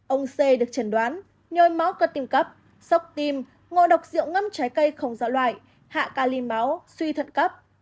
ông c được trần đoán nhôi máu cật tiềm cấp sốc tim ngộ độc rượu ngâm trái cây không dọa loại hạ ca liên máu suy thận cấp